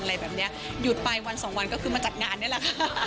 อะไรแบบนี้หยุดไปวันสองวันก็คือมาจัดงานนี่แหละค่ะ